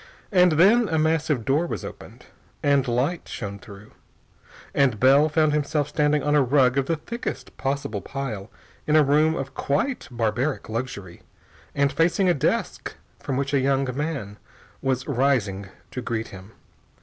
And then a massive door was opened, and light shone through, and Bell found himself standing on a rug of the thickest possible pile in a room of quite barbaric luxury, and facing a desk from which a young man was rising to greet him.